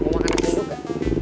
mau makan aku dulu ga